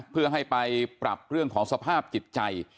เพื่อให้ไปปรับเรื่องของสภาพจิตใจ